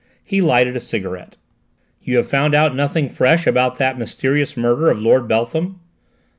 He lighted a cigarette. "You have found out nothing fresh about that mysterious murder of Lord Beltham?"